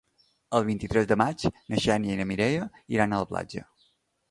El vint-i-tres de maig na Xènia i na Mireia iran a la platja.